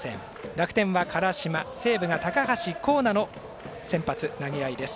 楽天は辛島西武が高橋光成の先発投げ合いです。